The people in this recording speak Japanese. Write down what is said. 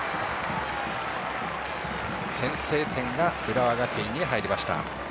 先制点が浦和学院に入りました。